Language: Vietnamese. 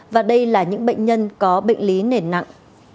và đây là những bệnh nhân có bệnh lý nền nặng